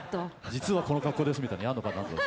「実はこの格好です」みたいにやんのかなと。